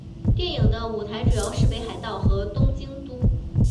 电影的舞台主要是北海道和东京都。